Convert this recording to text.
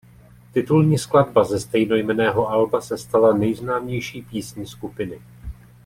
Titulní skladba ze stejnojmenného alba se stala nejznámější písní skupiny.